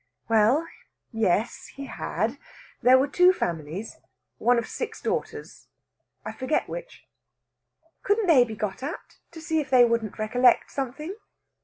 Well, yes, he had. There were two families. One of six daughters, I forget which." "Couldn't they be got at, to see if they wouldn't recollect something?"